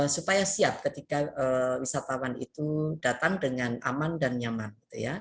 supaya siap ketika wisatawan itu datang dengan aman dan nyaman